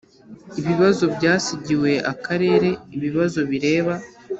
ibibazo byasigiwe akarere ibibazo bireba